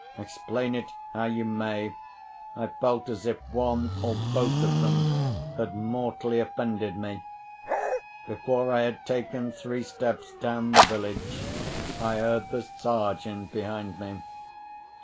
Explain it how you may, I felt as if one or both of them had mortally offended me. Before I had taken three steps down the village, I heard the Sergeant behind me.